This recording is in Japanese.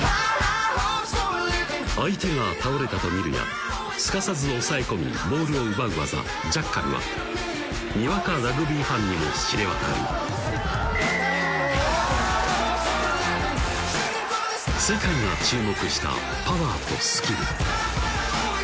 相手が倒れたと見るやすかさず押さえ込みボールを奪う技・ジャッカルはにわかラグビーファンにも知れ渡る世界が注目したパワーとスキル